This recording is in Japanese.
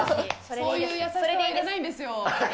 そういう優しさはいらないんですよ。